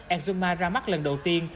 exuma ra mắt lần đầu tiên